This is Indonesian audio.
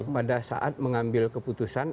pada saat mengambil keputusan